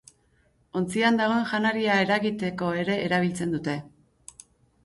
Ontzian dagoen janaria eragiteko ere erabiltzen dute.